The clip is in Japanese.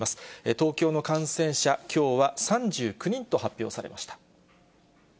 東京の感染者、きょうは３９人と発表されました。